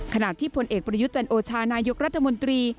ขณะที่ผลเอกประยุทธ์จันโอชานายกรัฐมนตรี